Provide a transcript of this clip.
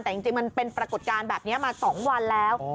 แต่จริงมันเป็นปรากฏการณ์แบบนี้มา๒วันแล้ว